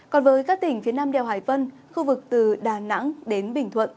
còn với các tỉnh phía nam đèo hải vân khu vực từ đà nẵng đến bình thuận